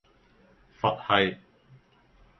佛系